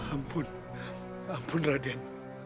ampun ampun raden